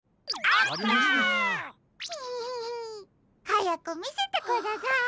はやくみせてください。ほっ。